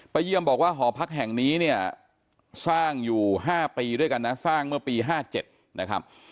เยี่ยมบอกว่าหอพักแห่งนี้เนี่ยสร้างอยู่๕ปีด้วยกันนะสร้างเมื่อปี๕๗นะครับ